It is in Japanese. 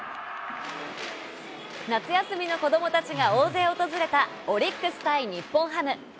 夏休みの子どもたちが大勢訪れたオリックス対日本ハム。